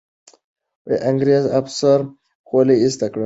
انګریزي افسر خولۍ ایسته کړې ده.